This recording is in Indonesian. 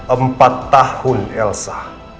empat tahun elsa